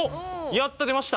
やった出ました。